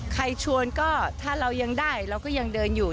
ชวนก็ถ้าเรายังได้เราก็ยังเดินอยู่